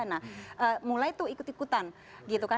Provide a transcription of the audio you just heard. nah mulai tuh ikut ikutan gitu kan